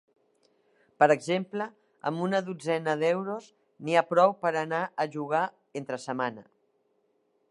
Per exemple, amb una dotzena d'euros n'hi ha prou per anar a jugar entre setmana.